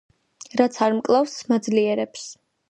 რაც არ მკლავს, მაძლიერებს